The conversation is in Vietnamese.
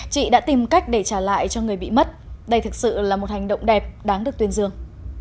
chị đã tìm cách để trả lại cho người bị mất đây thực sự là một hành động đẹp đáng được tuyên dương